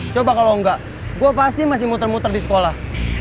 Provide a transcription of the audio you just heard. coba kalau enggak gue pasti masih muter muter di sekolah